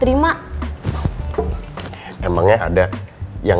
dia lucu rekaman